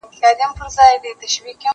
زه به سبا د کتابتون کتابونه لوستل کوم،